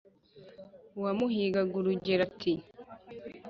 uwamuhigaga urugero ati :